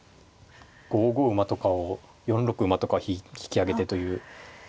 ５五馬とかを４六馬とか引き揚げてという。